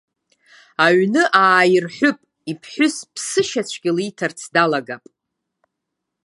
Аҩны ааирҳәып, иԥҳәыс ԥсышьацәгьа лиҭарц далагап.